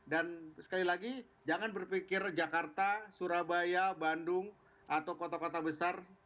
dan sekali lagi jangan berpikir jakarta surabaya bandung atau kota kota besar